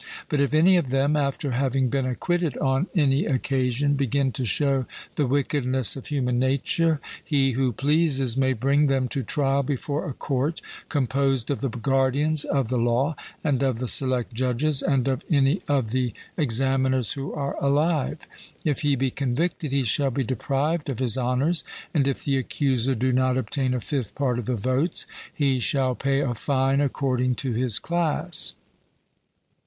But if any of them, after having been acquitted on any occasion, begin to show the wickedness of human nature, he who pleases may bring them to trial before a court composed of the guardians of the law, and of the select judges, and of any of the examiners who are alive. If he be convicted he shall be deprived of his honours, and if the accuser do not obtain a fifth part of the votes, he shall pay a fine according to his class.